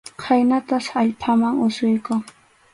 Khaynatas allpaman asuykun.